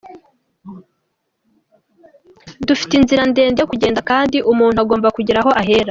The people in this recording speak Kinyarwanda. Dufite inzira ndende yo kugenda kandi umuntu agomba kugira aho ahera.